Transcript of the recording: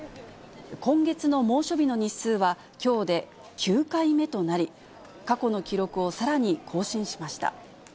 今月の猛暑日の日数はきょうで９回目となり、過去の記録をさらに更新しました。